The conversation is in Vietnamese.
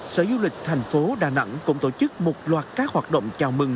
sở du lịch thành phố đà nẵng cũng tổ chức một loạt các hoạt động chào mừng